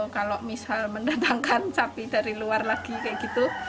kalau misal mendatangkan sapi dari luar lagi kayak gitu